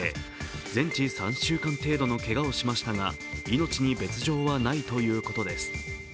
全治３週間程度のけがをしましたが命に別状はないということです。